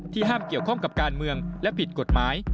ห้ามเกี่ยวข้องกับการเมืองและผิดกฎหมาย